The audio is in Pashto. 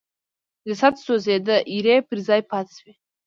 جسد سوځېد ایرې پر ځای پاتې شوې.